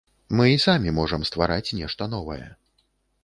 Мы і самі можам ствараць нешта новае.